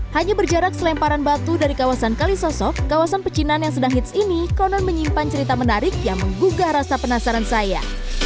hanya berjarak selemparan batu dari kawasan kalisosok kawasan pecinan yang sedang hits ini konon menyimpan cerita menarik yang menggugah rasa penasaran saya